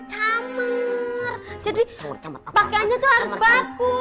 jadi pakeannya tuh harus bagus